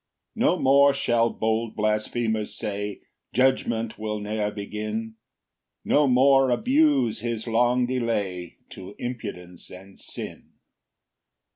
2 No more shall bold blasphemers say, "Judgment will ne'er begin," No more abuse his long delay To impudence and sin.